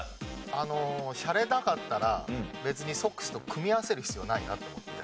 あのシャレなかったら別にソックスと組み合わせる必要ないなと思って。